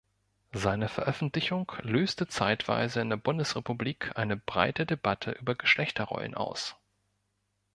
Seine Veröffentlichung löste zeitweise in der Bundesrepublik eine breite Debatte über Geschlechterrollen aus.